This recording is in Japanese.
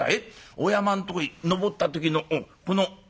お山んとこへ登った時のこの菅笠だよ。